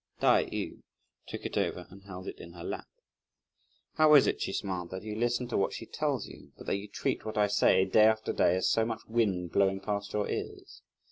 Tai yü took it over and held it in her lap. "How is it," she smiled, "that you listen to what she tells you, but that you treat what I say, day after day, as so much wind blowing past your ears!